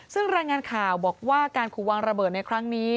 ซึ่งรายงานข่าวบอกว่าการขู่วางระเบิดในครั้งนี้